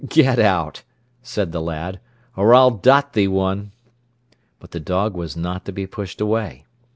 "Get out," said the lad, "or I'll dot thee one." But the dog was not to be pushed away.